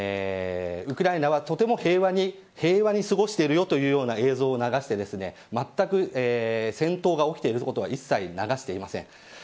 ウクライナはとても平和に過ごしているよというような映像を流してまったく戦闘が起きていることは一切流していません。